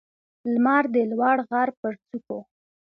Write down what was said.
لمر د لوړ غر پر څوکو